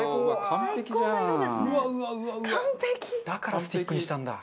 だからスティックにしたんだ。